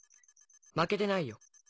負けてないよ。